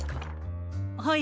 はい。